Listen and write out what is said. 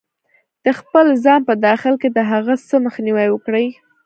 -د خپل ځان په داخل کې د هغه څه مخنیوی وکړئ